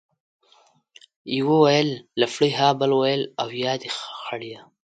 يوه ويل لپړى ، ها بل ويل ، اويا دي خړيه.